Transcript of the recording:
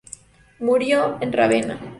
Murió en Rávena.